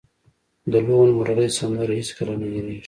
د لوون مرغۍ سندره هیڅکله نه هیریږي